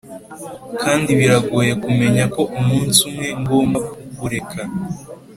kandi biragoye kumenya ko umunsi umwe ngomba kukureka.